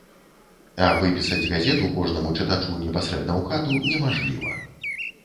А выпісаць газету кожнаму чытачу непасрэдна ў хату немажліва.